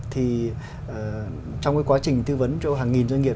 thì trong quá trình thư vấn cho hàng nghìn doanh nghiệp